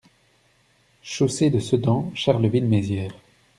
Chaussée de Sedan, Charleville-Mézières